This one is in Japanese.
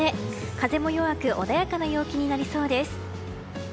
風も弱く穏やかな陽気になりそうです。